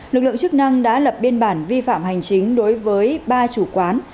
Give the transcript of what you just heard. lực lượng chức năng đã lập biên bản vi phạm hành chính đối với ba chủ quán